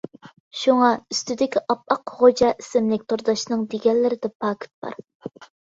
شۇڭا، ئۈستىدىكى ئاپئاق خوجا ئىسىملىك تورداشنىڭ دېگەنلىرىدە پاكىت بار.